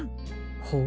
ほう。